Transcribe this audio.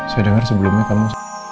saya dengar sebelumnya kamu